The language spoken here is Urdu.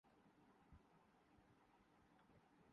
افغانستان میں جہاد کیا ہونا تھا۔